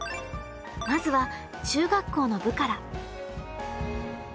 まずは中学校の部から。